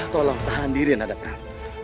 tolong tahan diri nanda prabu